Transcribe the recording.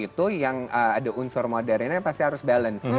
itu yang ada unsur modernnya pasti harus balance